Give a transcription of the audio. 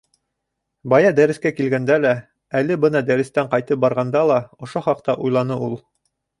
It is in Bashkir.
Бая дәрескә килгәндә лә, әле бына дәрестән ҡайтып барғанда ла, ошо хаҡта уйланы ул.